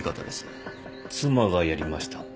妻がやりました。